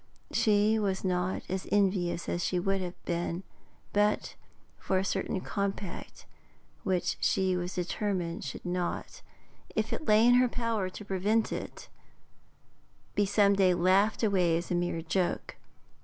She was not as envious as she would have been but for a certain compact which she was determined should not if it lay in her power to prevent it be some day laughed away as a mere joke.